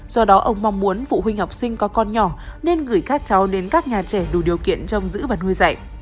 do đó ông mong muốn phụ huynh học sinh có con nhỏ nên gửi các cháu đến các nhà trẻ đủ điều kiện trong giữ và nuôi dạy